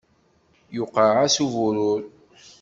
Yuqeɛ-as uburur.